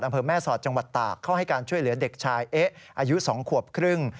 อำเภอแม่สอดจังหวัดตากเข้าให้การช่วยเหลือเด็กชายเอ๊ะอายุ๒ขวบครึ่ง